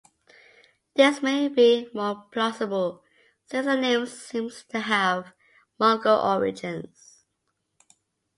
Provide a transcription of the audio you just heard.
This may be more plausible, since the names seem to have Mongol origins.